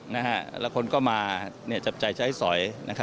และคนก็มาจับใจใช้สอย